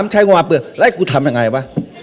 ใช้งาเปลือกแล้วให้กูทำยังไงวะ